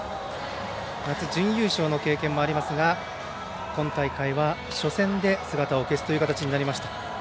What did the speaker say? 夏、準優勝の経験もありますが今大会は初戦で姿を消すという形になりました。